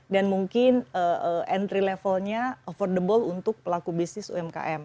dan mungkin entry levelnya affordable untuk pelaku bisnis umkm